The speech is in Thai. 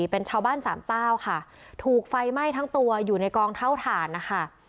เป็นชาวบ้านสามเต้าค่ะถูกไฟไหม้ทั้งตัวอยู่ในกองเท่าฐานนะคะ